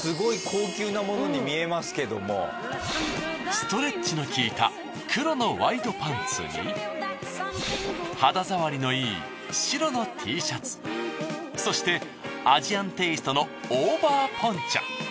ストレッチの効いた黒のワイドパンツに肌触りのいい白のＴシャツそしてアジアンテイストのオーバーポンチョ。